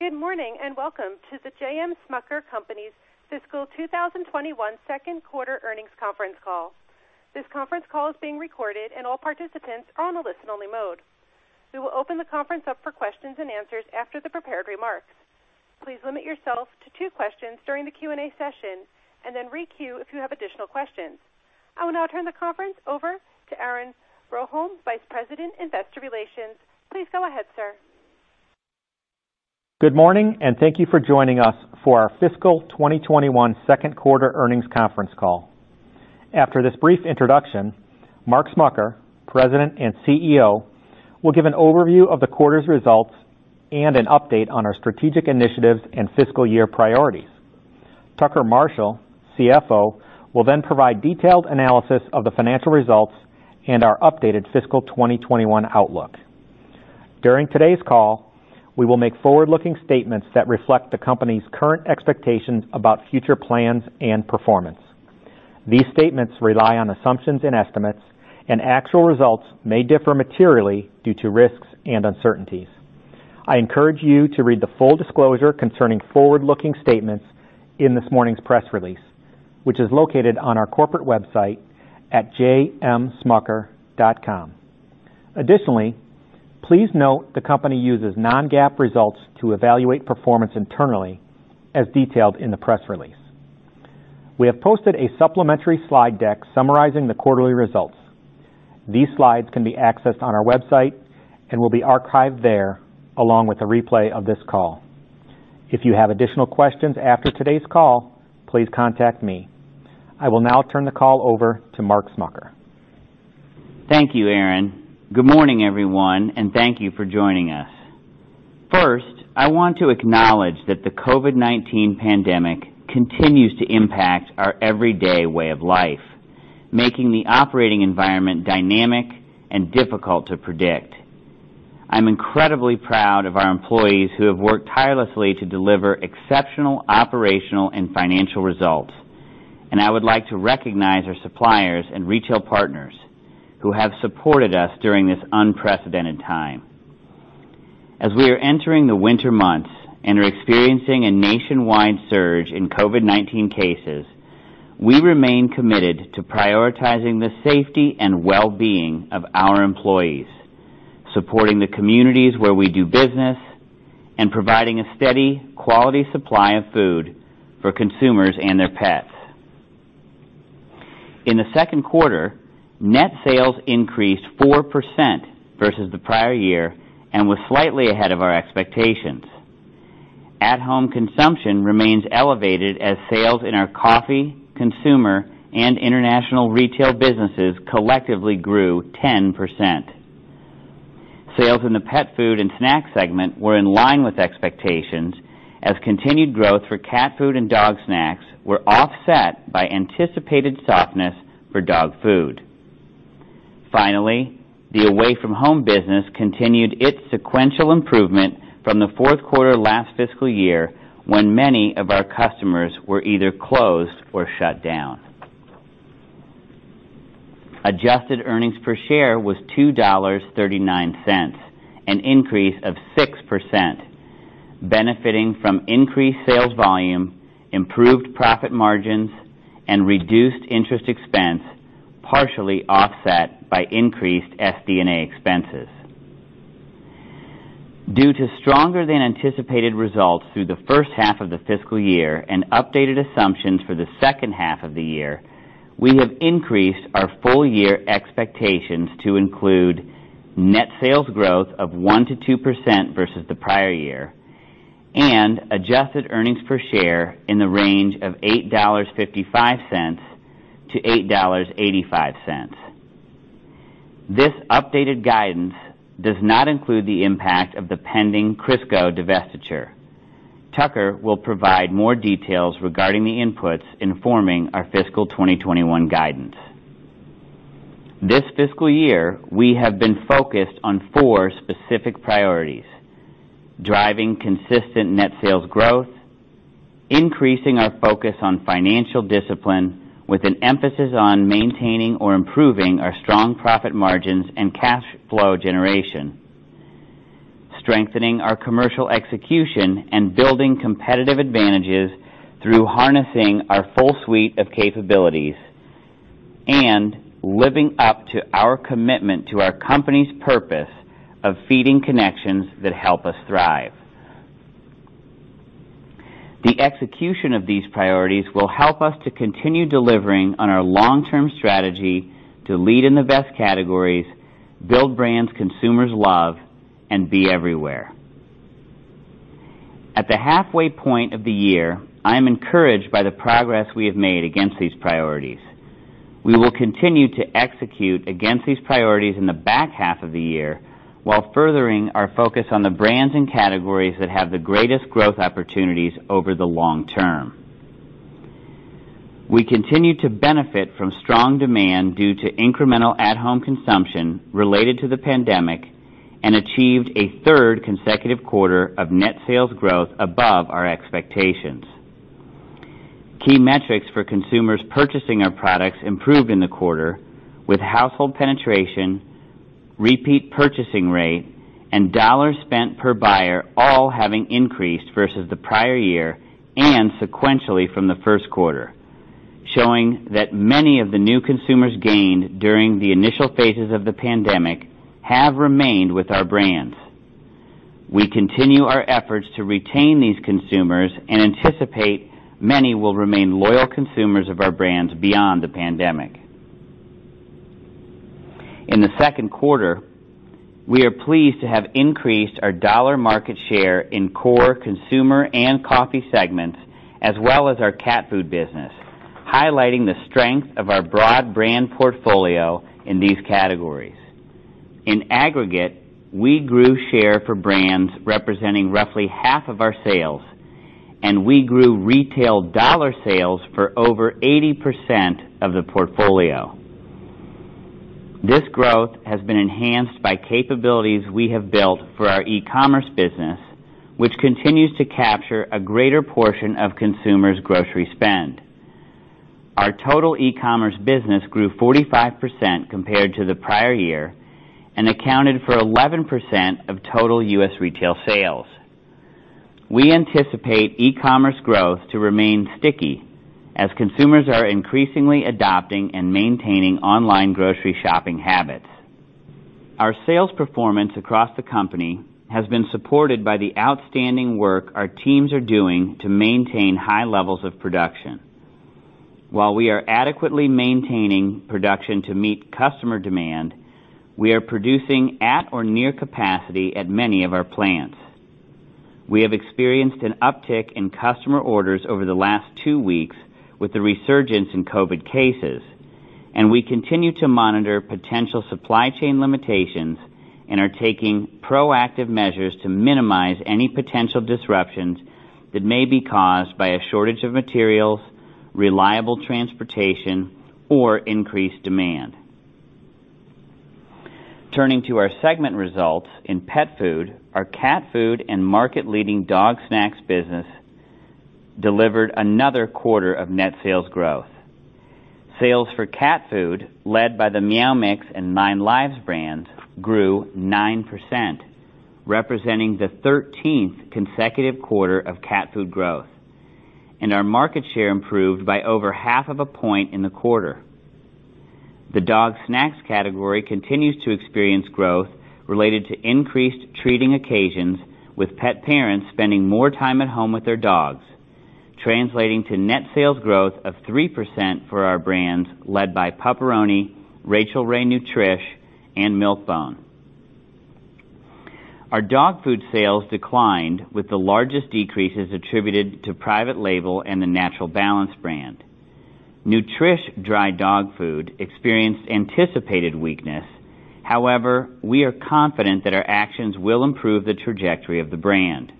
Good morning and welcome to the J. M. Smucker Company's Fiscal 2021 Second Quarter Earnings Conference Call. This conference call is being recorded, and all participants are on a listen-only mode. We will open the conference up for questions and answers after the prepared remarks. Please limit yourself to two questions during the Q&A session and then re-queue if you have additional questions. I will now turn the conference over to Aaron Broholm, Vice President, Investor Relations. Please go ahead, sir. Good morning and thank you for joining us for our Fiscal 2021 Second Quarter Earnings Conference Call. After this brief introduction, Mark Smucker, President and CEO, will give an overview of the quarter's results and an update on our strategic initiatives and fiscal year priorities. Tucker Marshall, CFO, will then provide detailed analysis of the financial results and our updated fiscal 2021 outlook. During today's call, we will make forward-looking statements that reflect the company's current expectations about future plans and performance. These statements rely on assumptions and estimates, and actual results may differ materially due to risks and uncertainties. I encourage you to read the full disclosure concerning forward-looking statements in this morning's press release, which is located on our corporate website at jmsmucker.com. Additionally, please note the company uses non-GAAP results to evaluate performance internally, as detailed in the press release. We have posted a supplementary slide deck summarizing the quarterly results. These slides can be accessed on our website and will be archived there along with a replay of this call. If you have additional questions after today's call, please contact me. I will now turn the call over to Mark Smucker. Thank you, Aaron. Good morning, everyone, and thank you for joining us. First, I want to acknowledge that the COVID-19 pandemic continues to impact our everyday way of life, making the operating environment dynamic and difficult to predict. I'm incredibly proud of our employees who have worked tirelessly to deliver exceptional operational and financial results, and I would like to recognize our suppliers and retail partners who have supported us during this unprecedented time. As we are entering the winter months and are experiencing a nationwide surge in COVID-19 cases, we remain committed to prioritizing the safety and well-being of our employees, supporting the communities where we do business, and providing a steady, quality supply of food for consumers and their pets. In the second quarter, net sales increased 4% versus the prior year and was slightly ahead of our expectations. At-home consumption remains elevated as sales in our coffee, consumer, and international retail businesses collectively grew 10%. Sales in the pet food and snack segment were in line with expectations, as continued growth for cat food and dog snacks were offset by anticipated softness for dog food. Finally, the away-from-home business continued its sequential improvement from the fourth quarter last fiscal year, when many of our customers were either closed or shut down. Adjusted earnings per share was $2.39, an increase of 6%, benefiting from increased sales volume, improved profit margins, and reduced interest expense, partially offset by increased SD&A expenses. Due to stronger-than-anticipated results through the first half of the fiscal year and updated assumptions for the second half of the year, we have increased our full-year expectations to include net sales growth of 1%-2% versus the prior year and adjusted earnings per share in the range of $8.55-$8.85. This updated guidance does not include the impact of the pending Crisco divestiture. Tucker will provide more details regarding the inputs informing our fiscal 2021 guidance. This fiscal year, we have been focused on four specific priorities: driving consistent net sales growth, increasing our focus on financial discipline with an emphasis on maintaining or improving our strong profit margins and cash flow generation, strengthening our commercial execution and building competitive advantages through harnessing our full suite of capabilities, and living up to our commitment to our company's purpose of feeding connections that help us thrive. The execution of these priorities will help us to continue delivering on our long-term strategy to lead in the best categories, build brands consumers love, and be everywhere. At the halfway point of the year, I'm encouraged by the progress we have made against these priorities. We will continue to execute against these priorities in the back half of the year while furthering our focus on the brands and categories that have the greatest growth opportunities over the long term. We continue to benefit from strong demand due to incremental at-home consumption related to the pandemic and achieved a third consecutive quarter of net sales growth above our expectations. Key metrics for consumers purchasing our products improved in the quarter, with household penetration, repeat purchasing rate, and dollars spent per buyer all having increased versus the prior year and sequentially from the first quarter, showing that many of the new consumers gained during the initial phases of the pandemic have remained with our brands. We continue our efforts to retain these consumers and anticipate many will remain loyal consumers of our brands beyond the pandemic. In the second quarter, we are pleased to have increased our dollar market share in core consumer and coffee segments, as well as our cat food business, highlighting the strength of our broad brand portfolio in these categories. In aggregate, we grew share for brands representing roughly half of our sales, and we grew retail dollar sales for over 80% of the portfolio. This growth has been enhanced by capabilities we have built for our e-commerce business, which continues to capture a greater portion of consumers' grocery spend. Our total e-commerce business grew 45% compared to the prior year and accounted for 11% of total U.S. retail sales. We anticipate e-commerce growth to remain sticky as consumers are increasingly adopting and maintaining online grocery shopping habits. Our sales performance across the company has been supported by the outstanding work our teams are doing to maintain high levels of production. While we are adequately maintaining production to meet customer demand, we are producing at or near capacity at many of our plants. We have experienced an uptick in customer orders over the last two weeks with the resurgence in COVID cases, and we continue to monitor potential supply chain limitations and are taking proactive measures to minimize any potential disruptions that may be caused by a shortage of materials, reliable transportation, or increased demand. Turning to our segment results in pet food, our cat food and market-leading dog snacks business delivered another quarter of net sales growth. Sales for cat food, led by the Meow Mix and 9Lives brands, grew 9%, representing the 13th consecutive quarter of cat food growth, and our market share improved by over half of a point in the quarter. The dog snacks category continues to experience growth related to increased treating occasions, with pet parents spending more time at home with their dogs, translating to net sales growth of 3% for our brands led by Pup-Peroni, Rachael Ray Nutrish, and Milk-Bone. Our dog food sales declined, with the largest decreases attributed to private label and the Natural Balance brand. Nutrish Dry Dog Food experienced anticipated weakness. However, we are confident that our actions will improve the trajectory of the brand.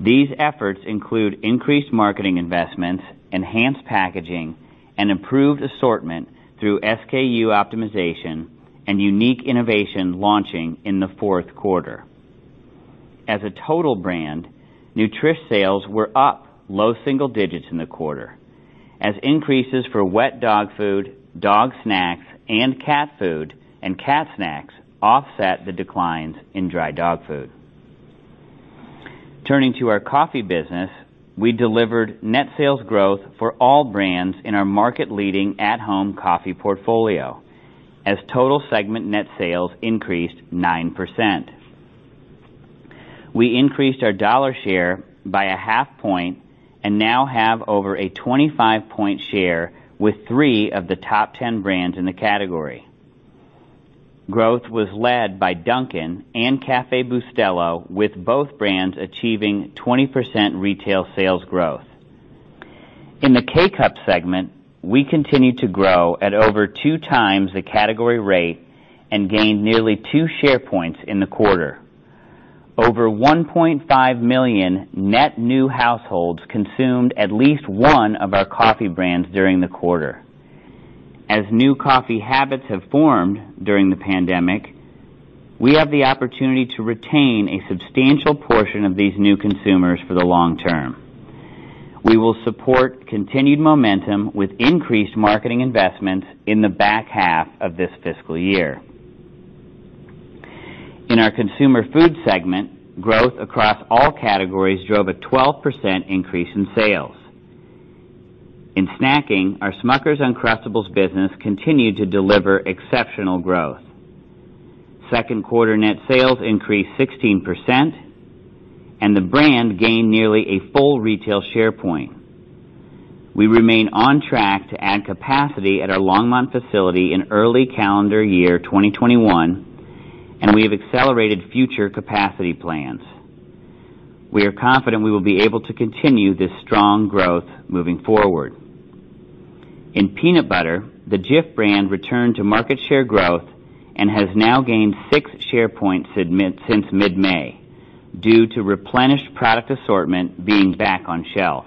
These efforts include increased marketing investments, enhanced packaging, and improved assortment through SKU optimization and unique innovation launching in the fourth quarter. As a total brand, Nutrish sales were up low single digits in the quarter, as increases for wet dog food, dog snacks, and cat food and cat snacks offset the declines in dry dog food. Turning to our coffee business, we delivered net sales growth for all brands in our market-leading at-home coffee portfolio, as total segment net sales increased 9%. We increased our dollar share by a half point and now have over a 25-point share with three of the top 10 brands in the category. Growth was led by Dunkin' and Café Bustelo, with both brands achieving 20% retail sales growth. In the K-Cup segment, we continued to grow at over two times the category rate and gained nearly two share points in the quarter. Over 1.5 million net new households consumed at least one of our coffee brands during the quarter. As new coffee habits have formed during the pandemic, we have the opportunity to retain a substantial portion of these new consumers for the long term. We will support continued momentum with increased marketing investments in the back half of this fiscal year. In our consumer food segment, growth across all categories drove a 12% increase in sales. In snacking, our Smucker's Uncrustables business continued to deliver exceptional growth. Second quarter net sales increased 16%, and the brand gained nearly a full retail share point. We remain on track to add capacity at our Longmont facility in early calendar year 2021, and we have accelerated future capacity plans. We are confident we will be able to continue this strong growth moving forward. In peanut butter, the Jif brand returned to market share growth and has now gained six share points since mid-May due to replenished product assortment being back on shelf.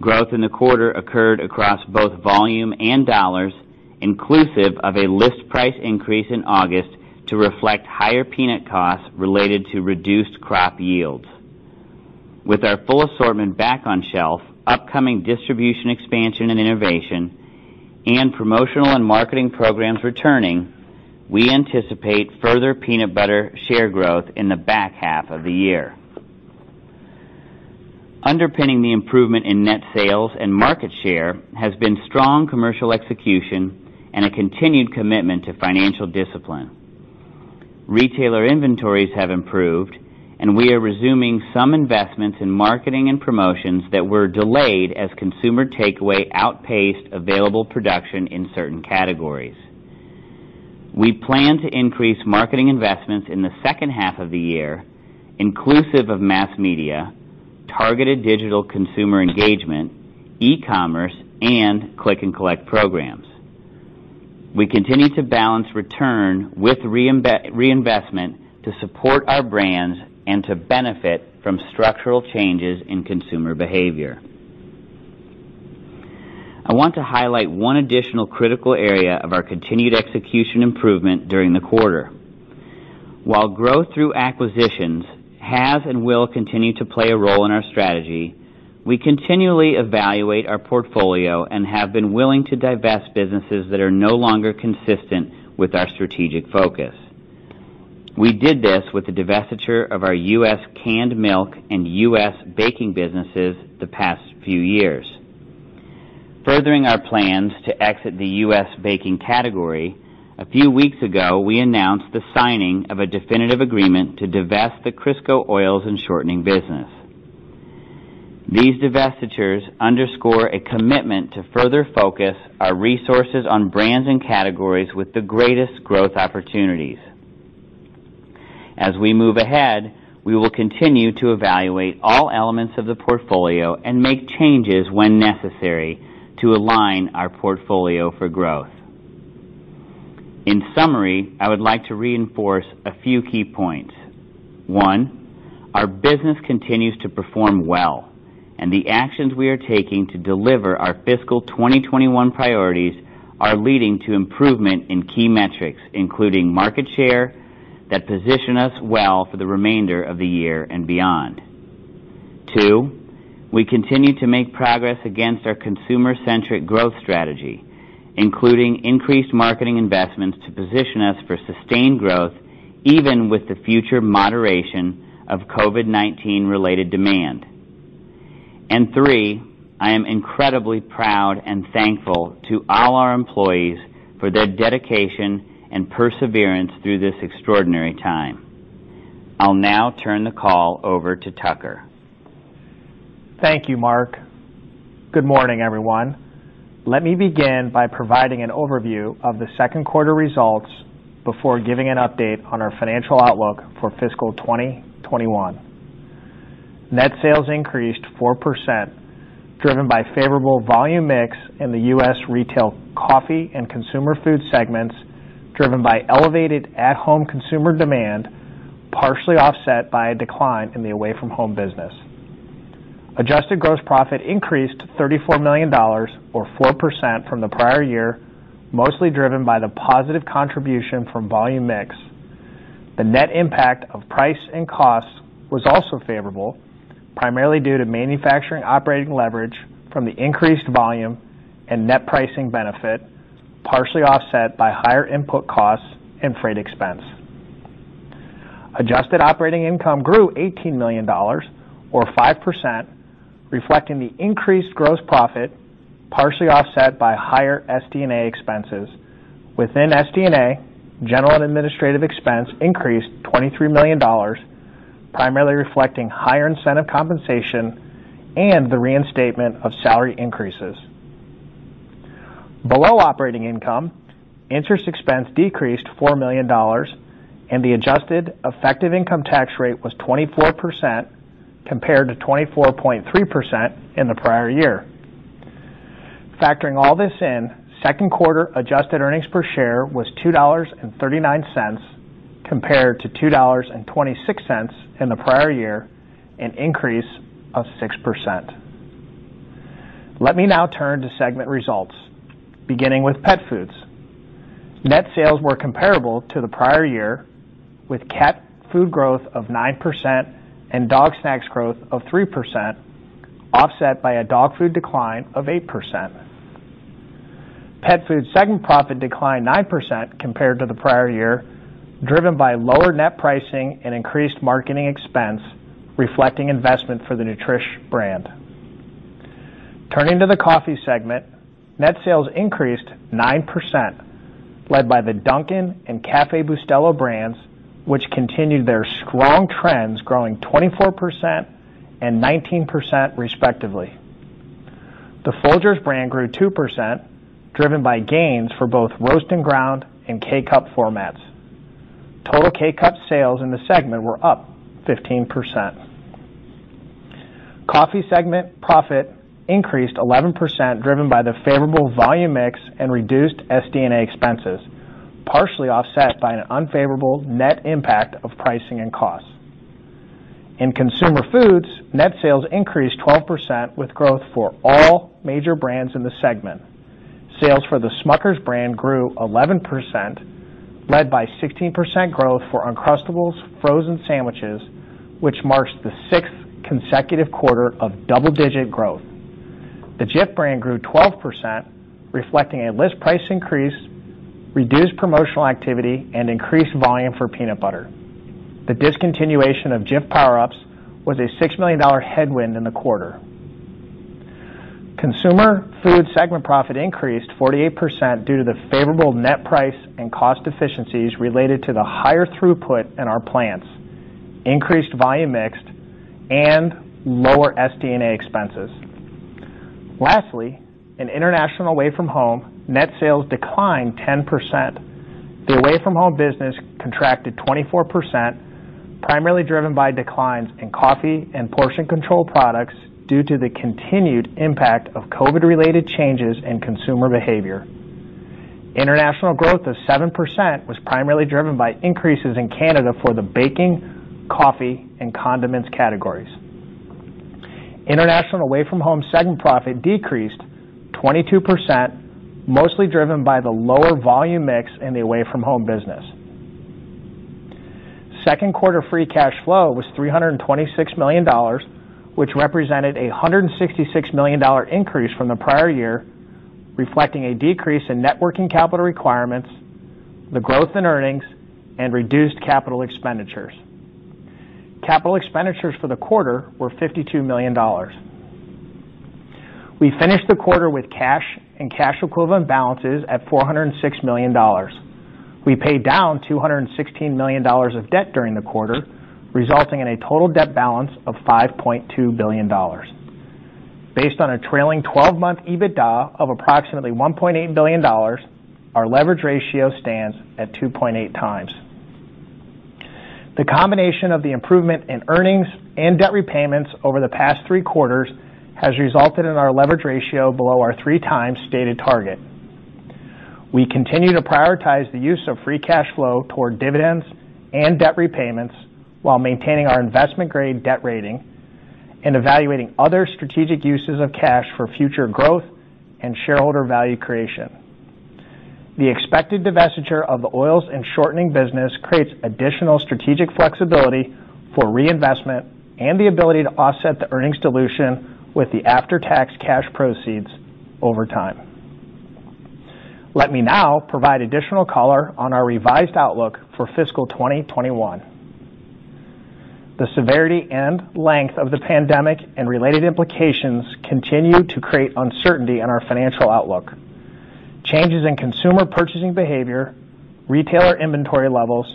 Growth in the quarter occurred across both volume and dollars, inclusive of a list price increase in August to reflect higher peanut costs related to reduced crop yields. With our full assortment back on shelf, upcoming distribution expansion and innovation, and promotional and marketing programs returning, we anticipate further peanut butter share growth in the back half of the year. Underpinning the improvement in net sales and market share has been strong commercial execution and a continued commitment to financial discipline. Retailer inventories have improved, and we are resuming some investments in marketing and promotions that were delayed as consumer takeaway outpaced available production in certain categories. We plan to increase marketing investments in the second half of the year, inclusive of mass media, targeted digital consumer engagement, e-commerce, and click-and-collect programs. We continue to balance return with reinvestment to support our brands and to benefit from structural changes in consumer behavior. I want to highlight one additional critical area of our continued execution improvement during the quarter. While growth through acquisitions has and will continue to play a role in our strategy, we continually evaluate our portfolio and have been willing to divest businesses that are no longer consistent with our strategic focus. We did this with the divestiture of our U.S. canned milk and U.S. baking businesses the past few years. Furthering our plans to exit the U.S. baking category, a few weeks ago, we announced the signing of a definitive agreement to divest the Crisco oils and shortenings business. These divestitures underscore a commitment to further focus our resources on brands and categories with the greatest growth opportunities. As we move ahead, we will continue to evaluate all elements of the portfolio and make changes when necessary to align our portfolio for growth. In summary, I would like to reinforce a few key points. One, our business continues to perform well, and the actions we are taking to deliver our fiscal 2021 priorities are leading to improvement in key metrics, including market share, that position us well for the remainder of the year and beyond. Two, we continue to make progress against our consumer-centric growth strategy, including increased marketing investments to position us for sustained growth even with the future moderation of COVID-19-related demand, and three, I am incredibly proud and thankful to all our employees for their dedication and perseverance through this extraordinary time. I'll now turn the call over to Tucker. Thank you, Mark. Good morning, everyone. Let me begin by providing an overview of the second quarter results before giving an update on our financial outlook for fiscal 2021. Net sales increased 4%, driven by favorable volume mix in the U.S. retail coffee and consumer food segments, driven by elevated at-home consumer demand, partially offset by a decline in the away-from-home business. Adjusted gross profit increased to $34 million, or 4% from the prior year, mostly driven by the positive contribution from volume mix. The net impact of price and cost was also favorable, primarily due to manufacturing operating leverage from the increased volume and net pricing benefit, partially offset by higher input costs and freight expense. Adjusted operating income grew $18 million, or 5%, reflecting the increased gross profit, partially offset by higher SD&A expenses. Within SD&A, general and administrative expense increased $23 million, primarily reflecting higher incentive compensation and the reinstatement of salary increases. Below operating income, interest expense decreased $4 million, and the adjusted effective income tax rate was 24% compared to 24.3% in the prior year. Factoring all this in, second quarter adjusted earnings per share was $2.39 compared to $2.26 in the prior year, an increase of 6%. Let me now turn to segment results, beginning with pet foods. Net sales were comparable to the prior year, with cat food growth of 9% and dog snacks growth of 3%, offset by a dog food decline of 8%. Pet foods' segment profit declined 9% compared to the prior year, driven by lower net pricing and increased marketing expense, reflecting investment for the Nutrish brand. Turning to the coffee segment, net sales increased 9%, led by the Dunkin' and Café Bustelo brands, which continued their strong trends, growing 24% and 19%, respectively. The Folgers brand grew 2%, driven by gains for both roast and ground and K-Cup formats. Total K-Cup sales in the segment were up 15%. Coffee segment profit increased 11`%, driven by the favorable volume mix and reduced SD&A expenses, partially offset by an unfavorable net impact of pricing and costs. In consumer foods, net sales increased 12%, with growth for all major brands in the segment. Sales for the Smucker's brand grew 11%, led by 16% growth for Uncrustables frozen sandwiches, which marked the sixth consecutive quarter of double-digit growth. The Jif brand grew 12%, reflecting a list price increase, reduced promotional activity, and increased volume for peanut butter. The discontinuation of Jif Power Ups was a $6 million headwind in the quarter. Consumer food segment profit increased 48% due to the favorable net price and cost efficiencies related to the higher throughput in our plants, increased volume mix, and lower SD&A expenses. Lastly, in international away-from-home, net sales declined 10%. The away-from-home business contracted 24%, primarily driven by declines in coffee and portion control products due to the continued impact of COVID-related changes in consumer behavior. International growth of 7% was primarily driven by increases in Canada for the baking, coffee, and condiments categories. International away-from-home segment profit decreased 22%, mostly driven by the lower volume mix in the away-from-home business. Second quarter free cash flow was $326 million, which represented a $166 million increase from the prior year, reflecting a decrease in net working capital requirements, the growth in earnings, and reduced capital expenditures. Capital expenditures for the quarter were $52 million. We finished the quarter with cash and cash equivalent balances at $406 million. We paid down $216 million of debt during the quarter, resulting in a total debt balance of $5.2 billion. Based on a trailing 12-month EBITDA of approximately $1.8 billion, our leverage ratio stands at 2.8 times. The combination of the improvement in earnings and debt repayments over the past three quarters has resulted in our leverage ratio below our three-time stated target. We continue to prioritize the use of free cash flow toward dividends and debt repayments while maintaining our investment-grade debt rating and evaluating other strategic uses of cash for future growth and shareholder value creation. The expected divestiture of the oils and shortening business creates additional strategic flexibility for reinvestment and the ability to offset the earnings dilution with the after-tax cash proceeds over time. Let me now provide additional color on our revised outlook for fiscal 2021. The severity and length of the pandemic and related implications continue to create uncertainty in our financial outlook. Changes in consumer purchasing behavior, retailer inventory levels,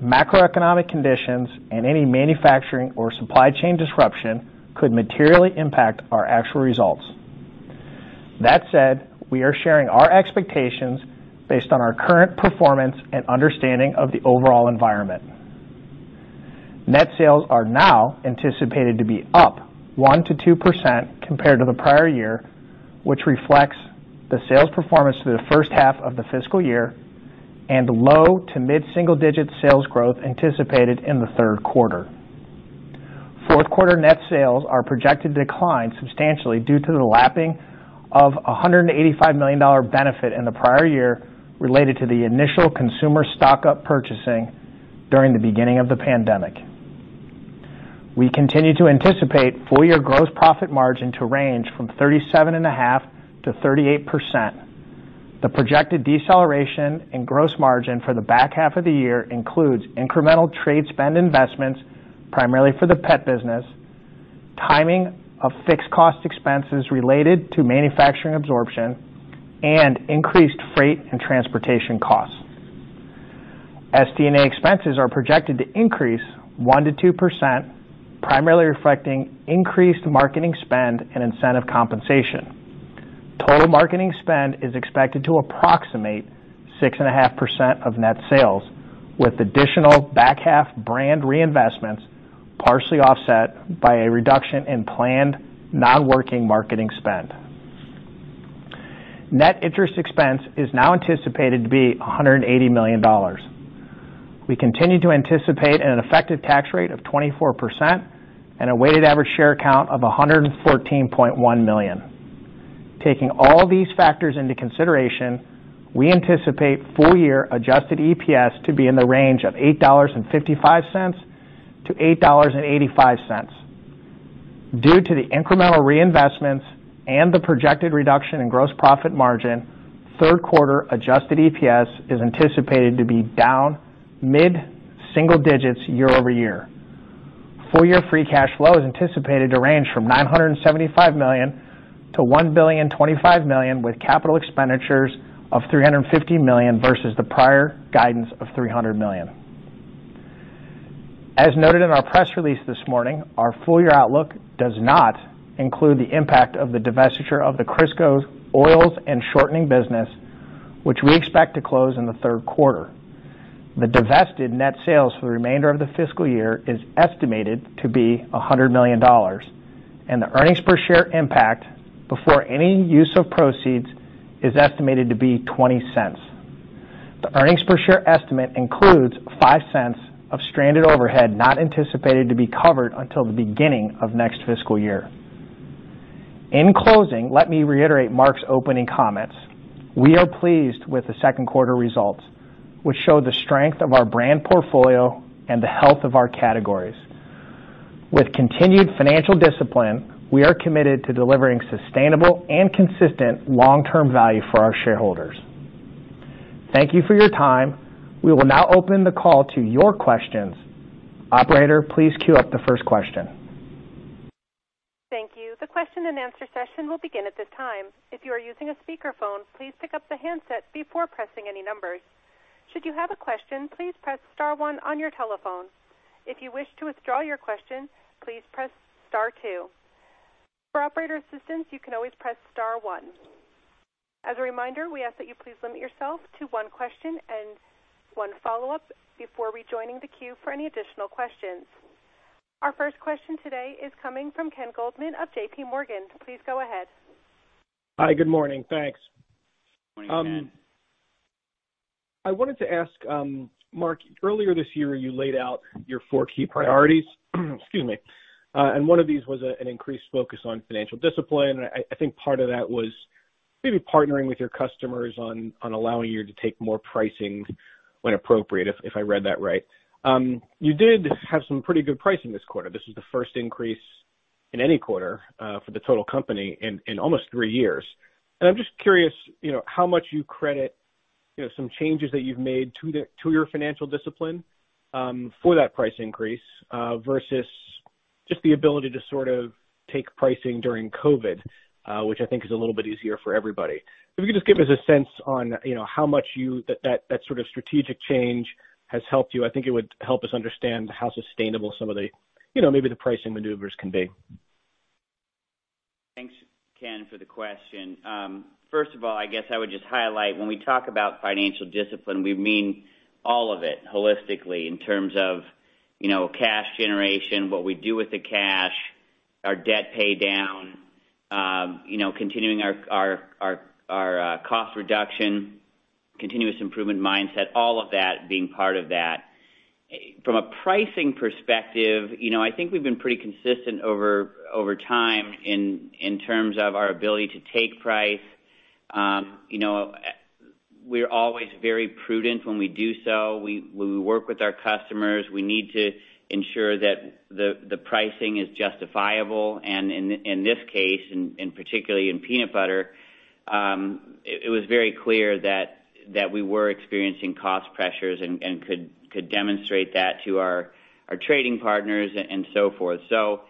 macroeconomic conditions, and any manufacturing or supply chain disruption could materially impact our actual results. That said, we are sharing our expectations based on our current performance and understanding of the overall environment. Net sales are now anticipated to be up 1%-2% compared to the prior year, which reflects the sales performance through the first half of the fiscal year and low to mid-single-digit sales growth anticipated in the third quarter. Fourth quarter net sales are projected to decline substantially due to the lapping of a $185 million benefit in the prior year related to the initial consumer stock-up purchasing during the beginning of the pandemic. We continue to anticipate full-year gross profit margin to range from 37.5%-38%. The projected deceleration in gross margin for the back half of the year includes incremental trade spend investments, primarily for the pet business, timing of fixed cost expenses related to manufacturing absorption, and increased freight and transportation costs. SD&A expenses are projected to increase 1%-2%, primarily reflecting increased marketing spend and incentive compensation. Total marketing spend is expected to approximate 6.5% of net sales, with additional back-half brand reinvestments partially offset by a reduction in planned non-working marketing spend. Net interest expense is now anticipated to be $180 million. We continue to anticipate an effective tax rate of 24% and a weighted average share count of 114.1 million. Taking all these factors into consideration, we anticipate full-year adjusted EPS to be in the range of $8.55-$8.85. Due to the incremental reinvestments and the projected reduction in gross profit margin, third quarter adjusted EPS is anticipated to be down mid-single digits year-over-year. Full-year free cash flow is anticipated to range from $975 million to $1.025 billion, with capital expenditures of $350 million versus the prior guidance of $300 million. As noted in our press release this morning, our full-year outlook does not include the impact of the divestiture of the Crisco Oils and Shortening business, which we expect to close in the third quarter. The divested net sales for the remainder of the fiscal year is estimated to be $100 million, and the earnings per share impact before any use of proceeds is estimated to be $0.20. The earnings per share estimate includes $0.05 of stranded overhead not anticipated to be covered until the beginning of next fiscal year. In closing, let me reiterate Mark's opening comments. We are pleased with the second quarter results, which show the strength of our brand portfolio and the health of our categories. With continued financial discipline, we are committed to delivering sustainable and consistent long-term value for our shareholders. Thank you for your time. We will now open the call to your questions. Operator, please queue up the first question. Thank you. The question-and-answer session will begin at this time. If you are using a speakerphone, please pick up the handset before pressing any numbers. Should you have a question, please press star one on your telephone. If you wish to withdraw your question, please press star two. For operator assistance, you can always press star one. As a reminder, we ask that you please limit yourself to one question and one follow-up before rejoining the queue for any additional questions. Our first question today is coming from Ken Goldman of JPMorgan. Please go ahead. Hi. Good morning. Thanks. Good morning. I wanted to ask, Mark, earlier this year, you laid out your four key priorities. Excuse me, and one of these was an increased focus on financial discipline. I think part of that was maybe partnering with your customers on allowing you to take more pricing when appropriate, if I read that right. You did have some pretty good pricing this quarter. This was the first increase in any quarter for the total company in almost three years. And I'm just curious how much you credit some changes that you've made to your financial discipline for that price increase versus just the ability to sort of take pricing during COVID, which I think is a little bit easier for everybody. If you could just give us a sense on how much that sort of strategic change has helped you, I think it would help us understand how sustainable some of the maybe the pricing maneuvers can be. Thanks, Ken, for the question. First of all, I guess I would just highlight when we talk about financial discipline, we mean all of it holistically in terms of cash generation, what we do with the cash, our debt pay down, continuing our cost reduction, continuous improvement mindset, all of that being part of that. From a pricing perspective, I think we've been pretty consistent over time in terms of our ability to take price. We're always very prudent when we do so. When we work with our customers, we need to ensure that the pricing is justifiable. And in this case, and particularly in peanut butter, it was very clear that we were experiencing cost pressures and could demonstrate that to our trading partners and so forth. So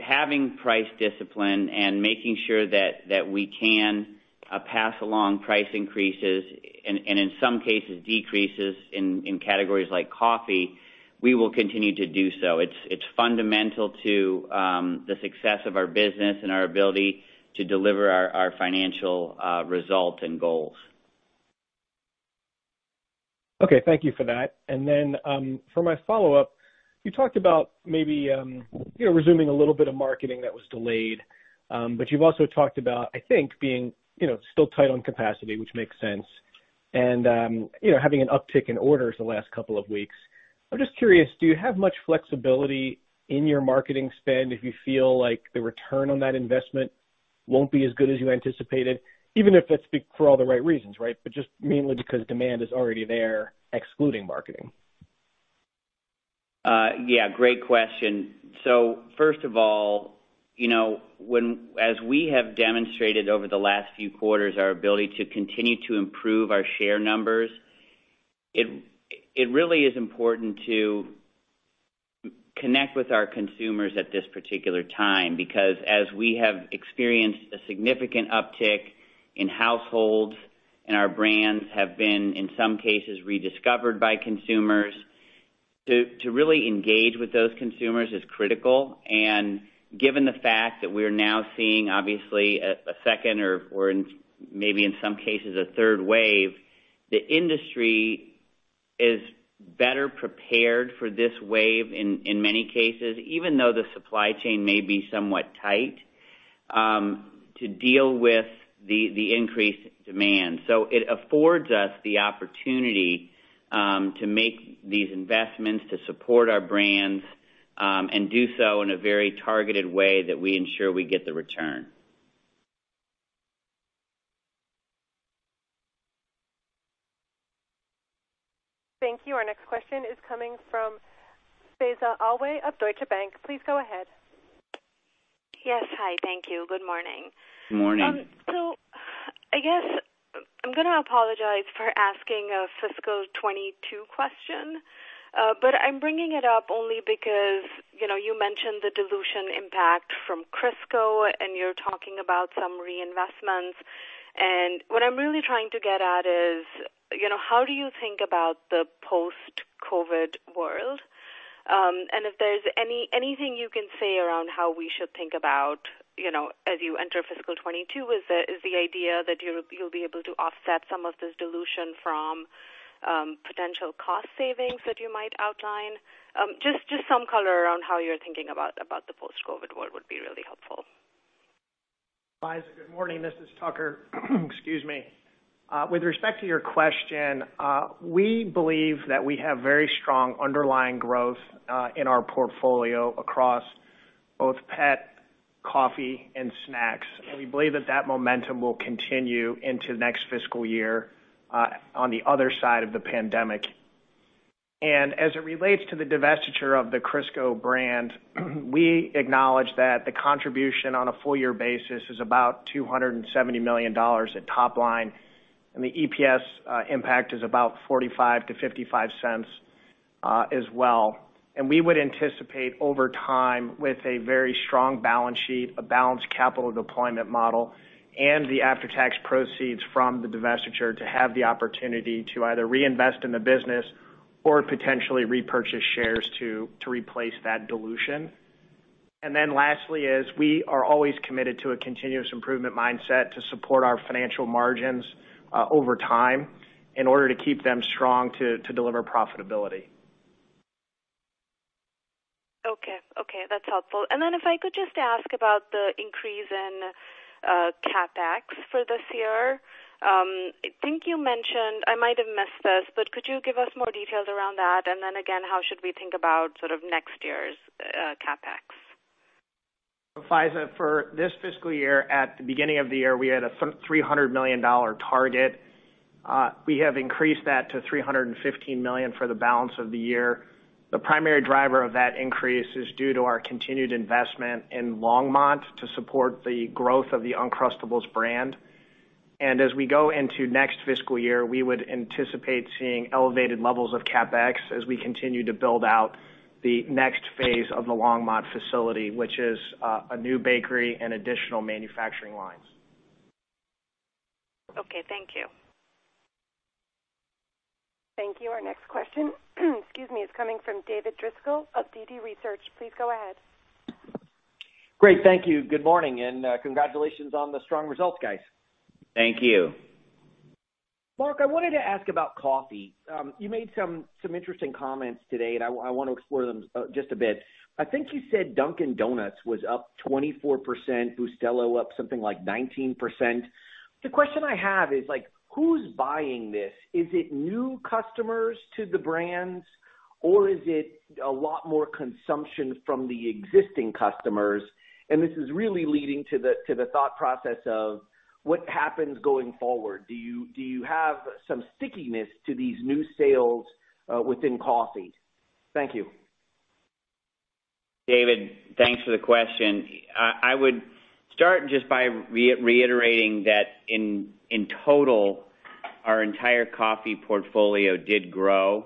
having price discipline and making sure that we can pass along price increases and in some cases decreases in categories like coffee, we will continue to do so. It's fundamental to the success of our business and our ability to deliver our financial results and goals. Okay. Thank you for that. And then for my follow-up, you talked about maybe resuming a little bit of marketing that was delayed, but you've also talked about, I think, being still tight on capacity, which makes sense, and having an uptick in orders the last couple of weeks. I'm just curious, do you have much flexibility in your marketing spend if you feel like the return on that investment won't be as good as you anticipated, even if that's for all the right reasons, right, but just mainly because demand is already there, excluding marketing? Yeah. Great question. So first of all, as we have demonstrated over the last few quarters, our ability to continue to improve our share numbers. It really is important to connect with our consumers at this particular time because as we have experienced a significant uptick in households and our brands have been, in some cases, rediscovered by consumers, to really engage with those consumers is critical. And given the fact that we're now seeing, obviously, a second or maybe in some cases a third wave, the industry is better prepared for this wave in many cases, even though the supply chain may be somewhat tight, to deal with the increased demand. So it affords us the opportunity to make these investments to support our brands and do so in a very targeted way that we ensure we get the return. Thank you. Our next question is coming from Faiza Alwy of Deutsche Bank. Please go ahead. Yes. Hi. Thank you. Good morning. Good morning. So I guess I'm going to apologize for asking a fiscal 2022 question, but I'm bringing it up only because you mentioned the dilution impact from Crisco, and you're talking about some reinvestments. And what I'm really trying to get at is how do you think about the post-COVID world? And if there's anything you can say around how we should think about as you enter fiscal 2022, is the idea that you'll be able to offset some of this dilution from potential cost savings that you might outline? Just some color around how you're thinking about the post-COVID world would be really helpful. Faiza, good morning. This is Tucker. Excuse me. With respect to your question, we believe that we have very strong underlying growth in our portfolio across both pet, coffee, and snacks. We believe that that momentum will continue into next fiscal year on the other side of the pandemic. And as it relates to the divestiture of the Crisco brand, we acknowledge that the contribution on a full-year basis is about $270 million at top line, and the EPS impact is about $0.45-$0.55 as well. And we would anticipate over time, with a very strong balance sheet, a balanced capital deployment model, and the after-tax proceeds from the divestiture, to have the opportunity to either reinvest in the business or potentially repurchase shares to replace that dilution. And then lastly, we are always committed to a continuous improvement mindset to support our financial margins over time in order to keep them strong to deliver profitability. Okay. Okay. That's helpful. And then if I could just ask about the increase in CapEx for this year. I think you mentioned. I might have missed this, but could you give us more details around that? And then again, how should we think about sort of next year's CapEx? So Faiza, for this fiscal year, at the beginning of the year, we had a $300 million target. We have increased that to $315 million for the balance of the year. The primary driver of that increase is due to our continued investment in Longmont to support the growth of the Uncrustables brand. And as we go into next fiscal year, we would anticipate seeing elevated levels of CapEx as we continue to build out the next phase of the Longmont facility, which is a new bakery and additional manufacturing lines. Okay. Thank you. Thank you. Our next question, excuse me, is coming from David Driscoll of DD Research. Please go ahead. Great. Thank you. Good morning. And congratulations on the strong results, guys. Thank you. Mark, I wanted to ask about coffee. You made some interesting comments today, and I want to explore them just a bit. I think you said Dunkin' Donuts was up 24%, Bustelo up something like 19%. The question I have is, who's buying this? Is it new customers to the brands, or is it a lot more consumption from the existing customers? And this is really leading to the thought process of what happens going forward. Do you have some stickiness to these new sales within coffee? Thank you. David, thanks for the question. I would start just by reiterating that in total, our entire coffee portfolio did grow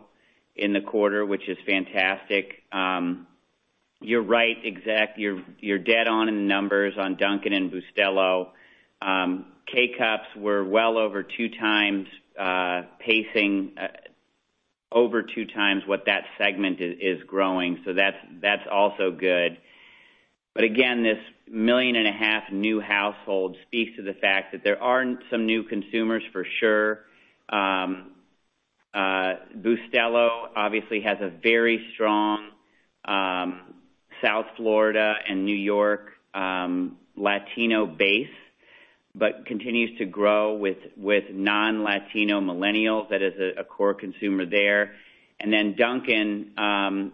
in the quarter, which is fantastic. You're right. You're dead on in the numbers on Dunkin' and Bustelo. K-Cups were well over two times pacing, over two times what that segment is growing. So that's also good. But again, this 1.5 million new households speaks to the fact that there are some new consumers for sure. Bustelo obviously has a very strong South Florida and New York Latino base but continues to grow with non-Latino millennials that is a core consumer there. And then Dunkin'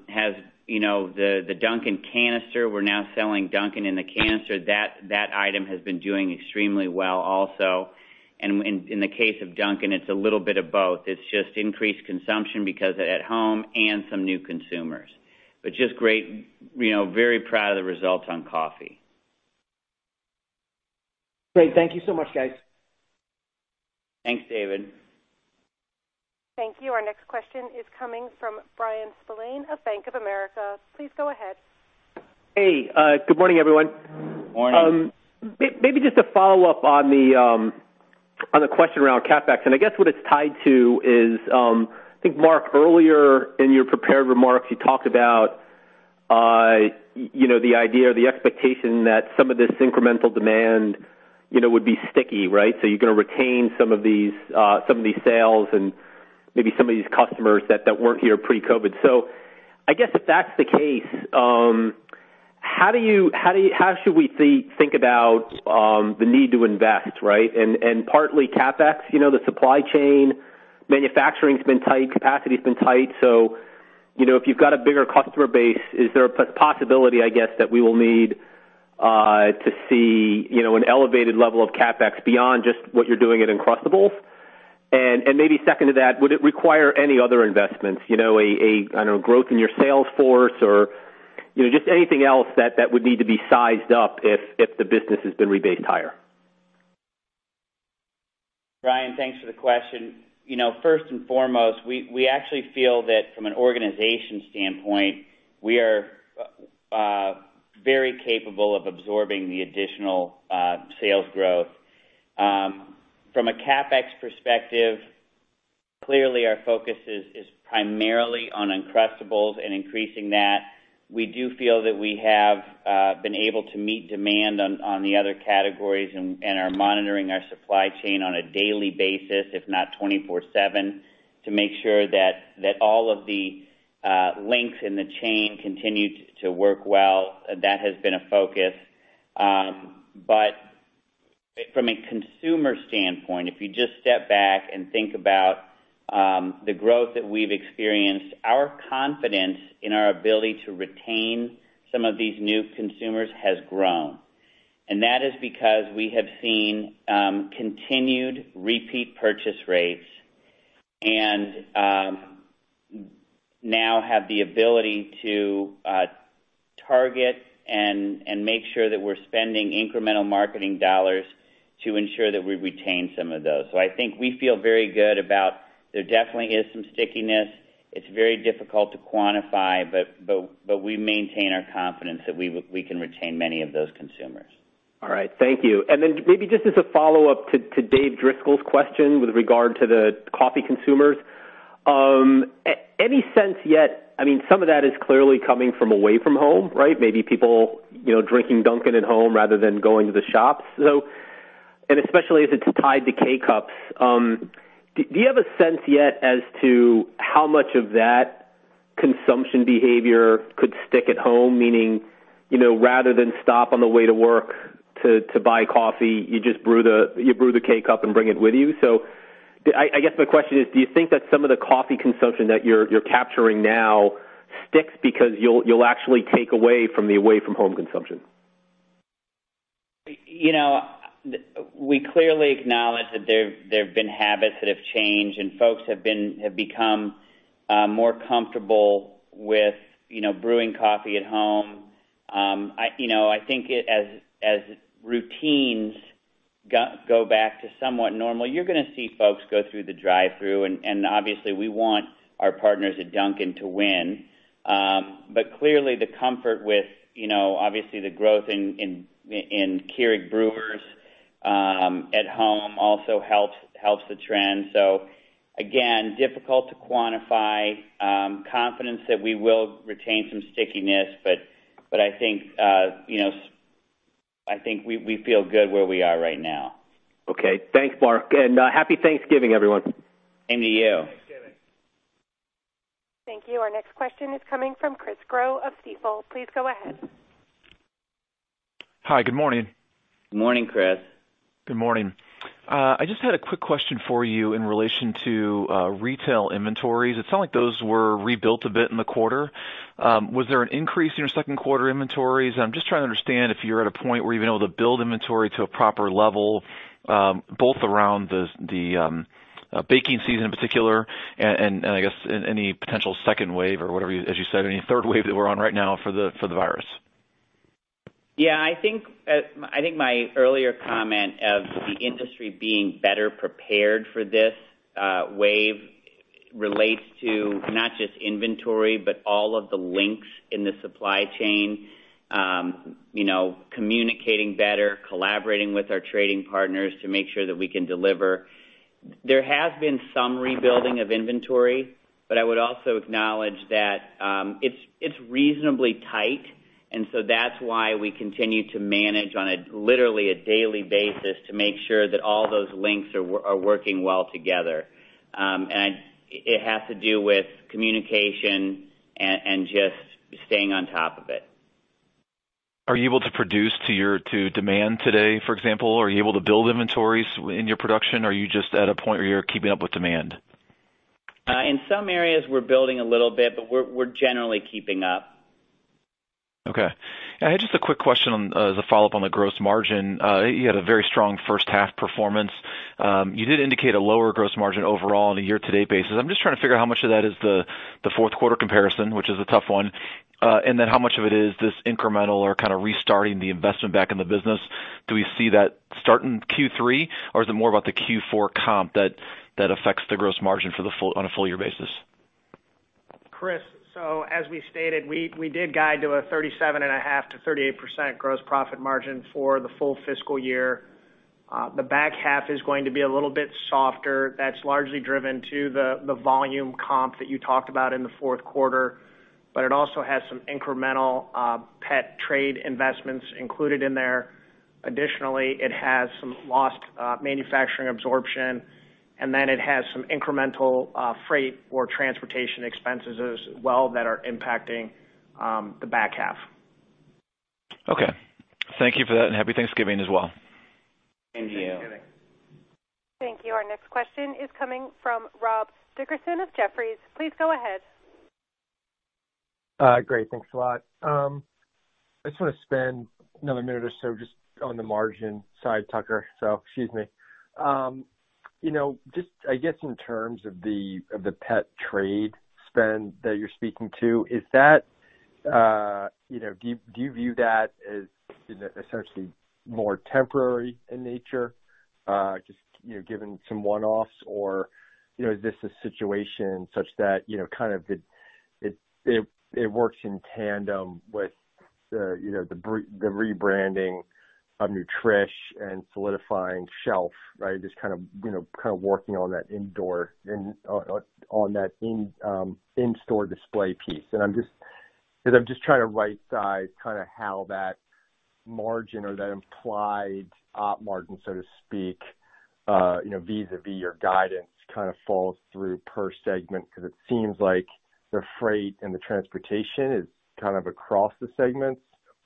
has the Dunkin' canister. We're now selling Dunkin' in the canister. That item has been doing extremely well also, and in the case of Dunkin', it's a little bit of both. It's just increased consumption because at home and some new consumers, but just great, very proud of the results on coffee. Great. Thank you so much, guys. Thanks, David. Thank you. Our next question is coming from Brian Spillane of Bank of America. Please go ahead. Hey. Good morning, everyone. Good morning. Maybe just a follow-up on the question around CapEx, and I guess what it's tied to is I think, Mark, earlier in your prepared remarks, you talked about the idea or the expectation that some of this incremental demand would be sticky, right, so you're going to retain some of these sales and maybe some of these customers that weren't here pre-COVID. So I guess if that's the case, how should we think about the need to invest, right? And partly CapEx, the supply chain, manufacturing's been tight, capacity's been tight. So if you've got a bigger customer base, is there a possibility, I guess, that we will need to see an elevated level of CapEx beyond just what you're doing at Uncrustables? And maybe second to that, would it require any other investments, I don't know, growth in your sales force or just anything else that would need to be sized up if the business has been rebased higher? Brian, thanks for the question. First and foremost, we actually feel that from an organization standpoint, we are very capable of absorbing the additional sales growth. From a CapEx perspective, clearly our focus is primarily on Uncrustables and increasing that. We do feel that we have been able to meet demand on the other categories and are monitoring our supply chain on a daily basis, if not 24/7, to make sure that all of the links in the chain continue to work well. That has been a focus, but from a consumer standpoint, if you just step back and think about the growth that we've experienced, our confidence in our ability to retain some of these new consumers has grown, and that is because we have seen continued repeat purchase rates and now have the ability to target and make sure that we're spending incremental marketing dollars to ensure that we retain some of those, so I think we feel very good about, there definitely is some stickiness. It's very difficult to quantify, but we maintain our confidence that we can retain many of those consumers. All right. Thank you. And then maybe just as a follow-up to Dave Driscoll's question with regard to the coffee consumers, any sense yet? I mean, some of that is clearly coming from away from home, right? Maybe people drinking Dunkin' at home rather than going to the shops. And especially as it's tied to K-Cups. Do you have a sense yet as to how much of that consumption behavior could stick at home, meaning rather than stop on the way to work to buy coffee, you just brew the K-Cup and bring it with you? So I guess my question is, do you think that some of the coffee consumption that you're capturing now sticks because you'll actually take away from the away-from-home consumption? We clearly acknowledge that there have been habits that have changed, and folks have become more comfortable with brewing coffee at home. I think as routines go back to somewhat normal, you're going to see folks go through the drive-through, and obviously, we want our partners at Dunkin' to win, but clearly, the comfort with obviously the growth in Keurig brewers at home also helps the trend, so again, difficult to quantify confidence that we will retain some stickiness, but I think we feel good where we are right now. Okay. Thanks, Mark, and happy Thanksgiving, everyone. Same to you. Thanksgiving. Thank you. Our next question is coming from Chris Growe of Stifel. Please go ahead. Hi. Good morning. Good morning, Chris. Good morning. I just had a quick question for you in relation to retail inventories. It sounds like those were rebuilt a bit in the quarter. Was there an increase in your second-quarter inventories? And I'm just trying to understand if you're at a point where you've been able to build inventory to a proper level both around the baking season in particular and I guess any potential second wave or whatever, as you said, any third wave that we're on right now for the virus? Yeah. I think my earlier comment of the industry being better prepared for this wave relates to not just inventory but all of the links in the supply chain, communicating better, collaborating with our trading partners to make sure that we can deliver. There has been some rebuilding of inventory, but I would also acknowledge that it's reasonably tight. And so that's why we continue to manage on literally a daily basis to make sure that all those links are working well together. And it has to do with communication and just staying on top of it. Are you able to produce to demand today, for example? Are you able to build inventories in your production? Are you just at a point where you're keeping up with demand? In some areas, we're building a little bit, but we're generally keeping up. Okay. I had just a quick question as a follow-up on the gross margin. You had a very strong first-half performance. You did indicate a lower gross margin overall on a year-to-date basis. I'm just trying to figure out how much of that is the fourth-quarter comparison, which is a tough one. And then how much of it is this incremental or kind of restarting the investment back in the business? Do we see that starting Q3, or is it more about the Q4 comp that affects the gross margin on a full-year basis? Chris, so as we stated, we did guide to a 37.5%-38% gross profit margin for the full fiscal year. The back half is going to be a little bit softer. That's largely driven to the volume comp that you talked about in the fourth quarter, but it also has some incremental pet trade investments included in there. Additionally, it has some lost manufacturing absorption, and then it has some incremental freight or transportation expenses as well that are impacting the back half. Okay. Thank you for that and happy Thanksgiving as well. Same to you. Thanksgiving. Thank you. Our next question is coming from Rob Dickerson of Jefferies. Please go ahead. Great. Thanks a lot. I just want to spend another minute or so just on the margin side, Tucker, so excuse me. Just, I guess, in terms of the pet trade spend that you're speaking to, is that do you view that as essentially more temporary in nature just given some one-offs, or is this a situation such that kind of it works in tandem with the rebranding of Nutrish and solidifying shelf, right, just kind of working on that indoor on that in-store display piece? And I'm just because I'm just trying to right-size kind of how that margin or that implied op margin, so to speak, vis-à-vis your guidance kind of falls through per segment because it seems like the freight and the transportation is kind of across the segments.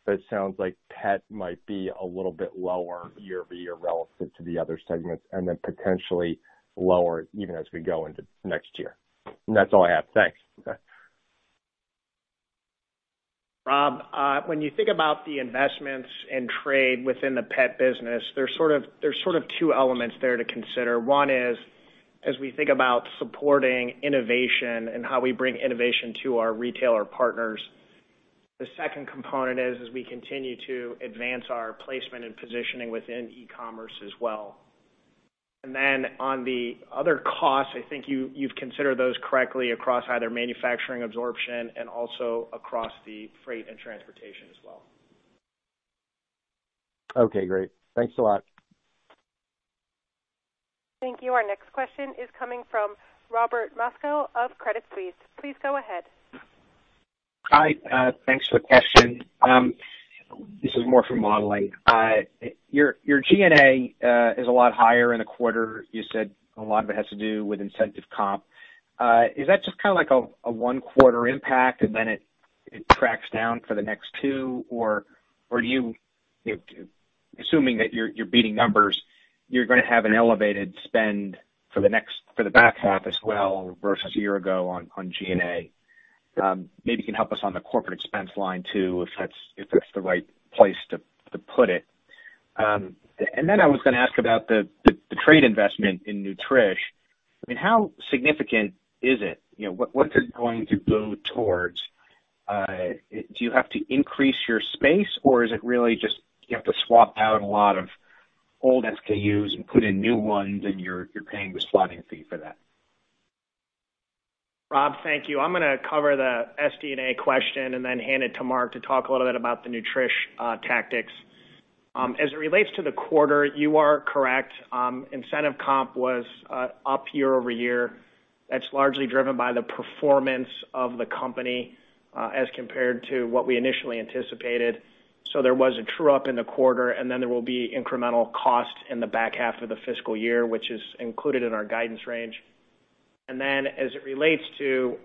But it sounds like pet might be a little bit lower year-to-year relative to the other segments and then potentially lower even as we go into next year. And that's all I have. Thanks. Rob, when you think about the investments and trade within the pet business, there's sort of two elements there to consider. One is, as we think about supporting innovation and how we bring innovation to our retailer partners. The second component is, as we continue to advance our placement and positioning within e-commerce as well. And then on the other costs, I think you've considered those correctly across either manufacturing absorption and also across the freight and transportation as well. Okay. Great. Thanks a lot. Thank you. Our next question is coming from Robert Moskow of Credit Suisse. Please go ahead. Hi. Thanks for the question. This is more for modeling. Your G&A is a lot higher in the quarter. You said a lot of it has to do with incentive comp. Is that just kind of like a one-quarter impact and then it tracks down for the next two, or assuming that you're beating numbers, you're going to have an elevated spend for the back half as well versus a year ago on G&A? Maybe you can help us on the corporate expense line too if that's the right place to put it. And then I was going to ask about the trade investment in Nutrish. I mean, how significant is it? What's it going to go towards? Do you have to increase your space, or is it really just you have to swap out a lot of old SKUs and put in new ones, and you're paying the slotting fee for that? Rob, thank you. I'm going to cover the SG&A question and then hand it to Mark to talk a little bit about the Nutrish tactics. As it relates to the quarter, you are correct. Incentive comp was up year-over-year. That's largely driven by the performance of the company as compared to what we initially anticipated, so there was a true-up in the quarter, and then there will be incremental costs in the back half of the fiscal year, which is included in our guidance range, and then as it relates to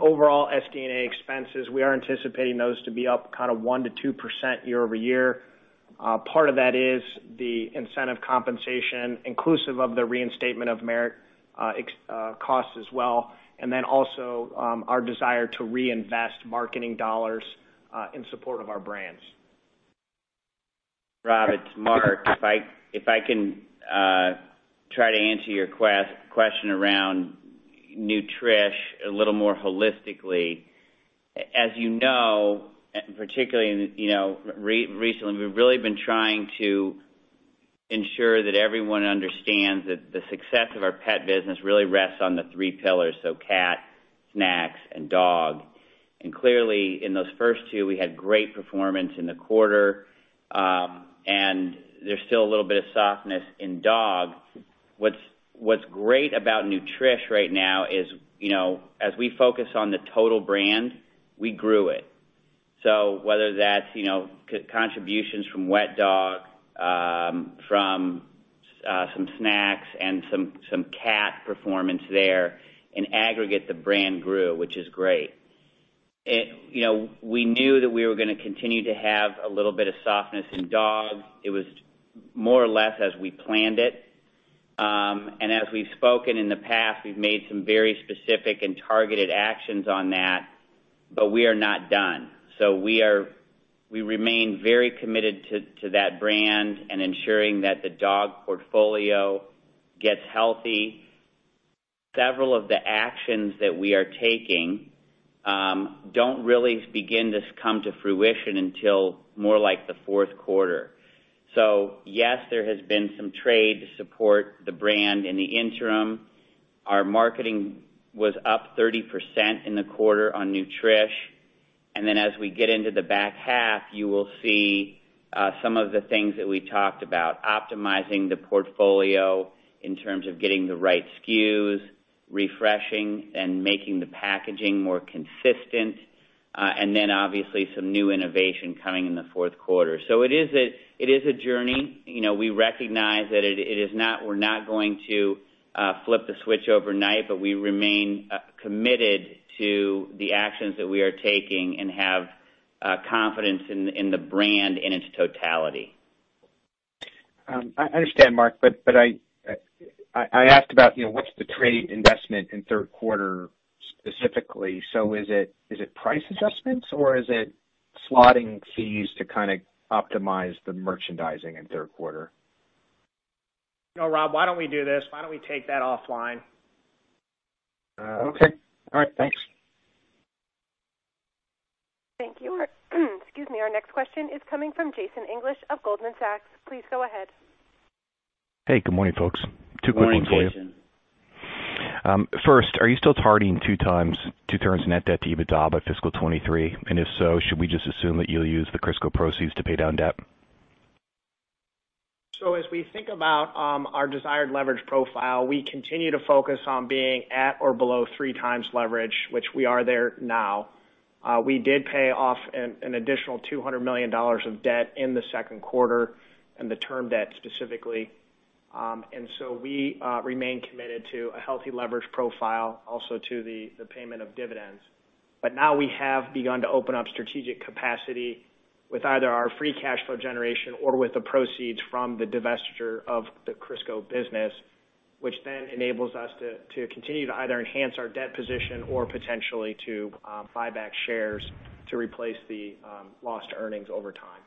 overall SG&A expenses, we are anticipating those to be up kind of 1%-2% year-over-year. Part of that is the incentive compensation inclusive of the reinstatement of merit costs as well, and then also our desire to reinvest marketing dollars in support of our brands. Rob, it's Mark. If I can try to answer your question around Nutrish a little more holistically, as you know, and particularly recently, we've really been trying to ensure that everyone understands that the success of our pet business really rests on the three pillars, so cat, snacks, and dog, and clearly, in those first two, we had great performance in the quarter, and there's still a little bit of softness in dog. What's great about Nutrish right now is, as we focus on the total brand, we grew it, so whether that's contributions from wet dog, from some snacks, and some cat performance there, in aggregate, the brand grew, which is great. We knew that we were going to continue to have a little bit of softness in dog. It was more or less as we planned it. And as we've spoken in the past, we've made some very specific and targeted actions on that, but we are not done. So we remain very committed to that brand and ensuring that the dog portfolio gets healthy. Several of the actions that we are taking don't really begin to come to fruition until more like the fourth quarter. So yes, there has been some trade to support the brand in the interim. Our marketing was up 30% in the quarter on Nutrish. And then as we get into the back half, you will see some of the things that we talked about: optimizing the portfolio in terms of getting the right SKUs, refreshing, and making the packaging more consistent, and then obviously some new innovation coming in the fourth quarter. So it is a journey. We recognize that we're not going to flip the switch overnight, but we remain committed to the actions that we are taking and have confidence in the brand in its totality. I understand, Mark, but I asked about what's the trade investment in third quarter specifically. So is it price adjustments, or is it slotting fees to kind of optimize the merchandising in third quarter? No, Rob, why don't we do this? Why don't we take that offline? Okay. All right. Thanks. Thank you. Excuse me. Our next question is coming from Jason English of Goldman Sachs. Please go ahead. Hey. Good morning, folks. Two quick ones for you. Good morning, Jason. First, are you still targeting two turns in net debt to EBITDA by fiscal 2023? And if so, should we just assume that you'll use the Crisco proceeds to pay down debt? As we think about our desired leverage profile, we continue to focus on being at or below three times leverage, which we are there now. We did pay off an additional $200 million of debt in the second quarter and the term debt specifically. We remain committed to a healthy leverage profile, also to the payment of dividends. Now we have begun to open up strategic capacity with either our free cash flow generation or with the proceeds from the divestiture of the Crisco business, which then enables us to continue to either enhance our debt position or potentially to buy back shares to replace the lost earnings over time.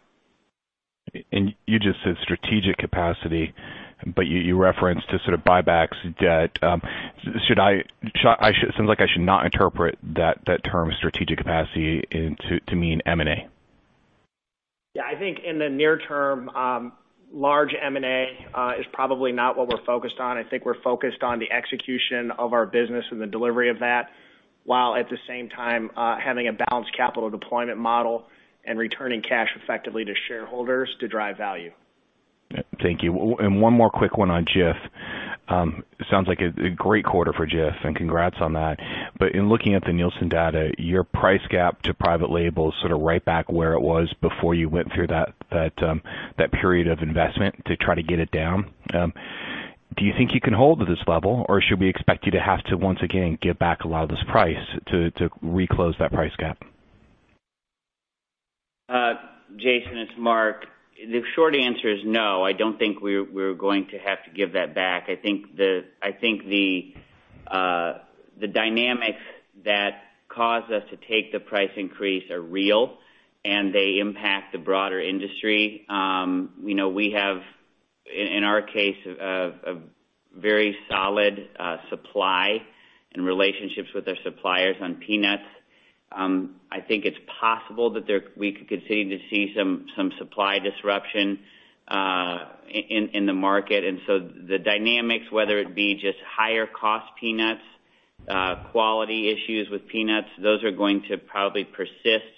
You just said strategic capacity, but you referenced to sort of buy back debt. It sounds like I should not interpret that term strategic capacity to mean M&A. Yeah. I think in the near term, large M&A is probably not what we're focused on. I think we're focused on the execution of our business and the delivery of that while at the same time having a balanced capital deployment model and returning cash effectively to shareholders to drive value. Thank you. And one more quick one on Jif. It sounds like a great quarter for Jif, and congrats on that. But in looking at the Nielsen data, your price gap to private label is sort of right back where it was before you went through that period of investment to try to get it down. Do you think you can hold to this level, or should we expect you to have to, once again, give back a lot of this price to reclose that price gap? Jason, it's Mark. The short answer is no. I don't think we're going to have to give that back. I think the dynamics that caused us to take the price increase are real, and they impact the broader industry. We have, in our case, a very solid supply and relationships with our suppliers on peanuts. I think it's possible that we could continue to see some supply disruption in the market. And so the dynamics, whether it be just higher cost peanuts, quality issues with peanuts, those are going to probably persist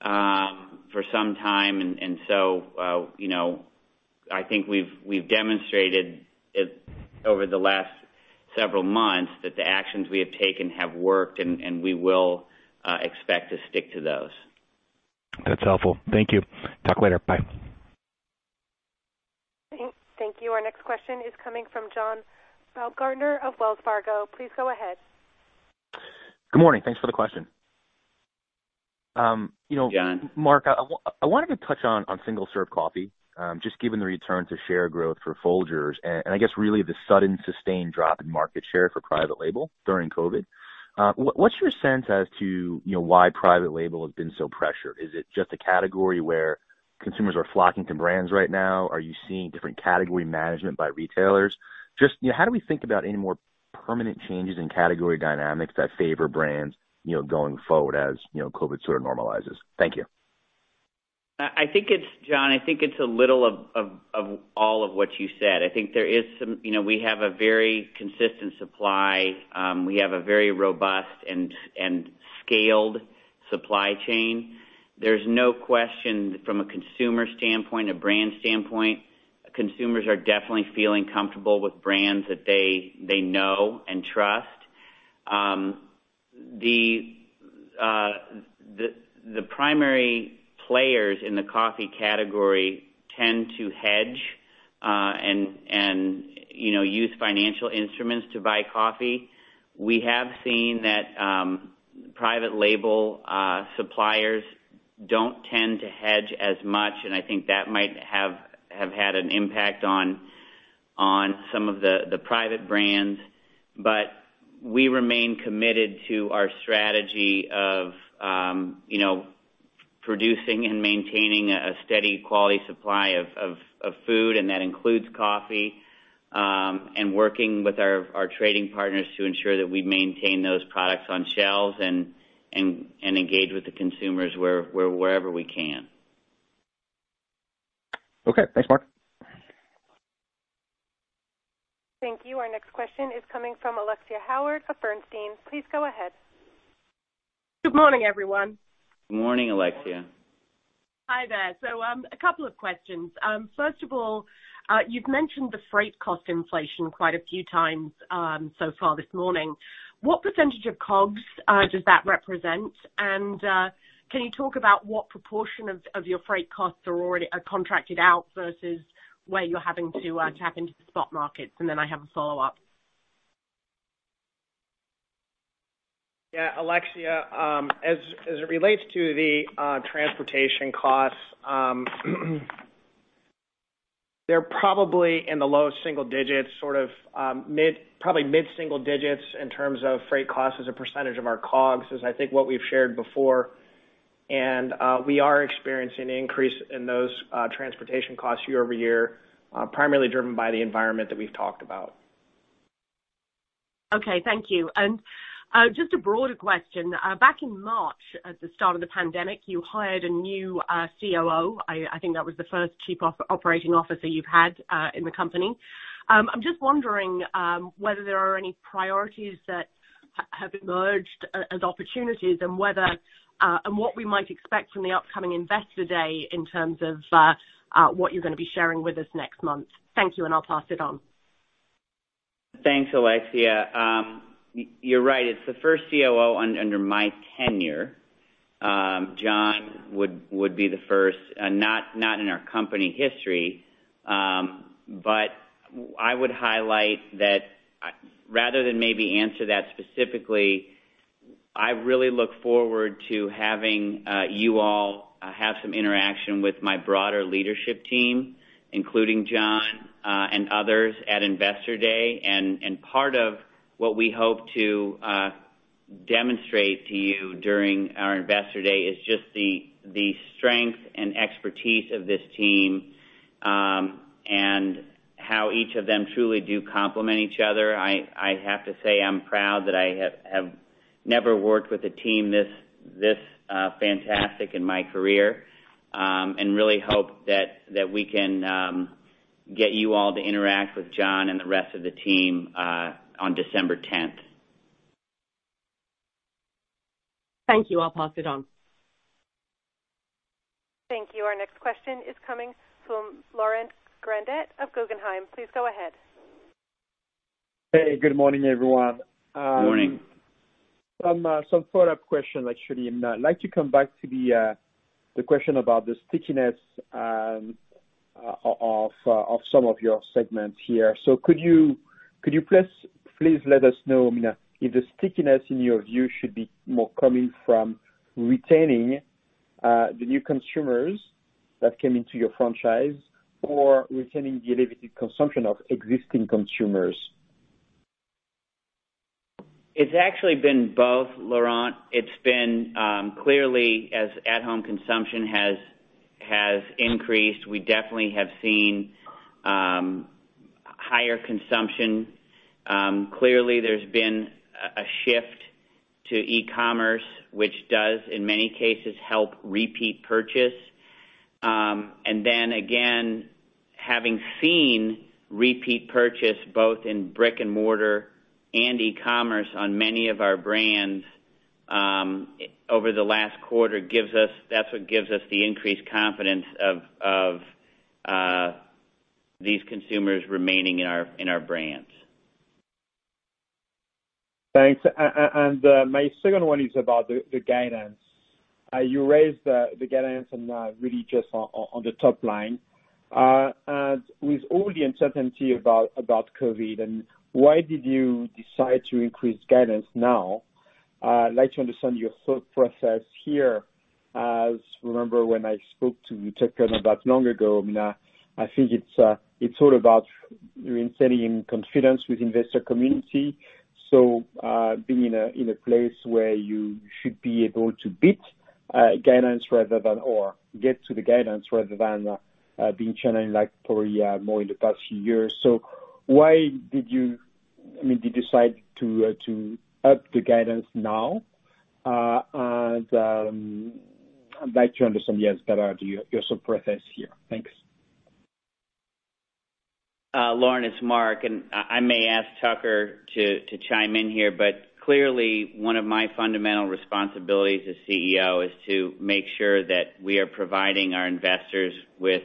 for some time. And so I think we've demonstrated over the last several months that the actions we have taken have worked, and we will expect to stick to those. That's helpful. Thank you. Talk later. Bye. Thank you. Our next question is coming from John Baumgartner of Wells Fargo. Please go ahead. Good morning. Thanks for the question. Hey, John. Mark, I wanted to touch on single-serve coffee, just given the return to share growth for Folgers and I guess really the sudden sustained drop in market share for private label during COVID. What's your sense as to why private label has been so pressured? Is it just a category where consumers are flocking to brands right now? Are you seeing different category management by retailers? Just how do we think about any more permanent changes in category dynamics that favor brands going forward as COVID sort of normalizes? Thank you. I think it's, John, I think it's a little of all of what you said. I think there is some we have a very consistent supply. We have a very robust and scaled supply chain. There's no question from a consumer standpoint, a brand standpoint. Consumers are definitely feeling comfortable with brands that they know and trust. The primary players in the coffee category tend to hedge and use financial instruments to buy coffee. We have seen that private label suppliers don't tend to hedge as much, and I think that might have had an impact on some of the private brands, but we remain committed to our strategy of producing and maintaining a steady quality supply of food, and that includes coffee, and working with our trading partners to ensure that we maintain those products on shelves and engage with the consumers wherever we can. Okay. Thanks, Mark. Thank you. Our next question is coming from Alexia Howard of Bernstein. Please go ahead. Good morning, everyone. Good morning, Alexia. Hi there, so a couple of questions. First of all, you've mentioned the freight cost inflation quite a few times so far this morning. What percentage of COGS does that represent? And can you talk about what proportion of your freight costs are already contracted out versus where you're having to tap into the spot markets? And then I have a follow-up. Yeah. Alexia, as it relates to the transportation costs, they're probably in the low single digits, sort of probably mid-single digits in terms of freight costs as a percentage of our COGS, as I think what we've shared before. And we are experiencing an increase in those transportation costs year-over-year, primarily driven by the environment that we've talked about. Okay. Thank you. And just a broader question. Back in March, at the start of the pandemic, you hired a new COO. I think that was the first Chief Operating Officer you've had in the company. I'm just wondering whether there are any priorities that have emerged as opportunities and what we might expect from the upcoming investor day in terms of what you're going to be sharing with us next month. Thank you, and I'll pass it on. Thanks, Alexia. You're right. It's the first COO under my tenure. John would be the first, not in our company history. But I would highlight that rather than maybe answer that specifically, I really look forward to having you all have some interaction with my broader leadership team, including John and others, at investor day. And part of what we hope to demonstrate to you during our investor day is just the strength and expertise of this team and how each of them truly do complement each other. I have to say I'm proud that I have never worked with a team this fantastic in my career and really hope that we can get you all to interact with John and the rest of the team on December 10th. Thank you. I'll pass it on. Thank you. Our next question is coming from Laurent Grandet of Guggenheim. Please go ahead. Hey. Good morning, everyone. Good morning. Some follow-up question, actually. I'd like to come back to the question about the stickiness of some of your segments here. So could you please let us know if the stickiness, in your view, should be more coming from retaining the new consumers that came into your franchise or retaining the elevated consumption of existing consumers? It's actually been both, Laurent. It's been clearly as at-home consumption has increased. We definitely have seen higher consumption. Clearly, there's been a shift to e-commerce, which does, in many cases, help repeat purchase, and then again, having seen repeat purchase both in brick-and-mortar and e-commerce on many of our brands over the last quarter, that's what gives us the increased confidence of these consumers remaining in our brands. Thanks. My second one is about the guidance. You raised the guidance and really just on the top line, and with all the uncertainty about COVID, why did you decide to increase guidance now? I'd like to understand your thought process here. As, remember, when I spoke to Tucker not that long ago, I think it's all about retaining confidence with the investor community, so being in a place where you should be able to beat guidance rather than, or get to the guidance rather than being challenged like probably more in the past few years. So why did you? I mean, did you decide to up the guidance now? And I'd like to understand, yes, better your thought process here. Thanks. Laurent, it's Mark. And I may ask Tucker to chime in here, but clearly, one of my fundamental responsibilities as CEO is to make sure that we are providing our investors with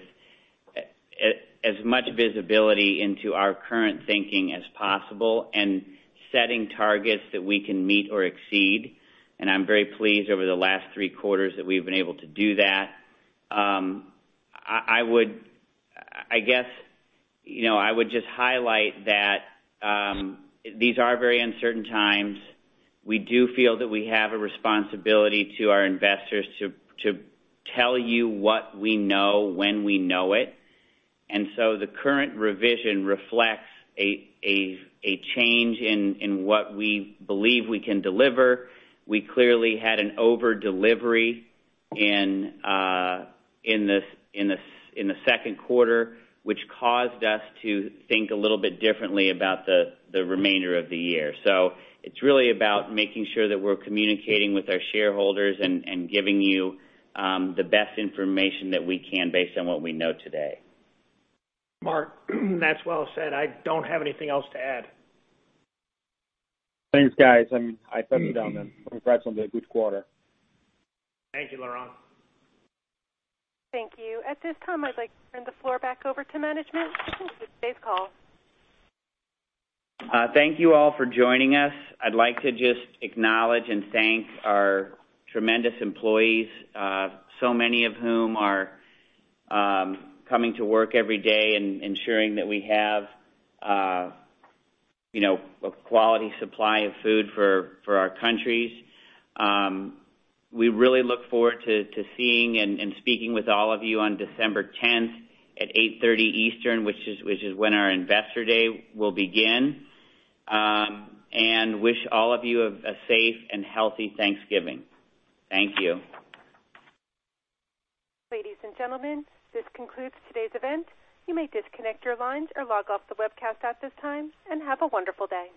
as much visibility into our current thinking as possible and setting targets that we can meet or exceed. And I'm very pleased over the last three quarters that we've been able to do that. I guess I would just highlight that these are very uncertain times. We do feel that we have a responsibility to our investors to tell you what we know when we know it. And so the current revision reflects a change in what we believe we can deliver. We clearly had an overdelivery in the second quarter, which caused us to think a little bit differently about the remainder of the year. So it's really about making sure that we're communicating with our shareholders and giving you the best information that we can based on what we know today. Mark, that's well said. I don't have anything else to add. Thanks, guys. I mean, I'll pass it down then. Congrats on the good quarter. Thank you, Laurent. Thank you. At this time, I'd like to turn the floor back over to management to conclude today's call. Thank you all for joining us. I'd like to just acknowledge and thank our tremendous employees, so many of whom are coming to work every day and ensuring that we have a quality supply of food for our countries. We really look forward to seeing and speaking with all of you on December 10th at 8:30 A.M. Eastern, which is when our investor day will begin. And wish all of you a safe and healthy Thanksgiving. Thank you. Ladies and gentlemen, this concludes today's event. You may disconnect your lines or log off the webcast at this time and have a wonderful day.